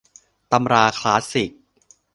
ตำราคลาสสิก